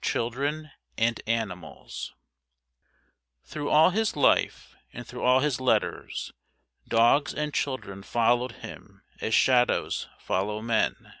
Children and Animals Through all his life, and through all his letters, dogs and children followed him as shadows follow men.